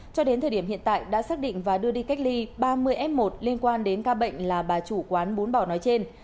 cho đến thời điểm hiện tại đã xác định và đưa đi cách ly ba mươi f một liên quan đến ca bệnh là bà chủ quán bún bò nói trên